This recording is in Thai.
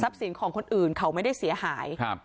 สินของคนอื่นเขาไม่ได้เสียหายครับ